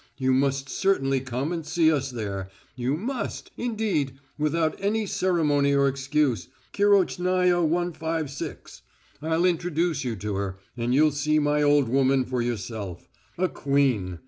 You must certainly come and see us there, you must, indeed, without any ceremony or excuse, Kirochnaya 156. I'll introduce you to her, and you'll see my old woman for yourself. A Queen!